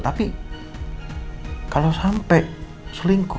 tapi kalau sampai selingkuh